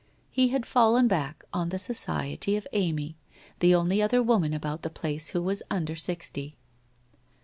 He had fallen back on the society of Amy, the only other woman about the place who was under sixty.